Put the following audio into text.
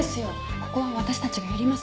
ここは私たちがやりますから。